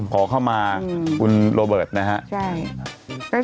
ขอเข้ามาคุณโรเบิร์ตนะครับ